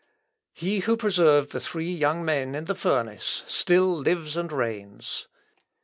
He who preserved the three young men in the furnace, still lives and reigns.